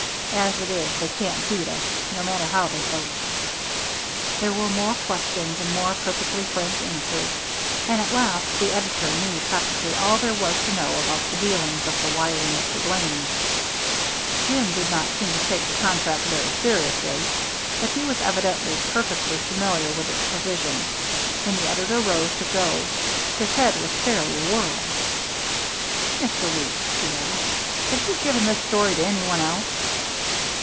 As it is they can't beat us, no matter how they vote." There were more questions and more perfectly frank answers, and at last the editor knew practically all there was to know about the dealings of the wily Mr. Blaney. Jim did not seem to take the contract very seriously, but he was evidently perfectly familiar with its provisions. When the editor rose to go his head was fairly awhirl. "Mr. Weeks," he asked, "have you given this story to any one else?"